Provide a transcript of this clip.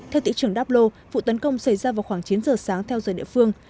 theo tỉ trưởng dablo vụ tấn công xảy ra vào khoảng chín giờ sáng theo giờ địa phương